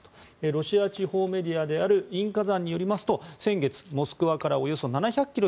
ロシア地方メディアであるイン・カザンによりますと先月、モスクワからおよそ７００ｋｍ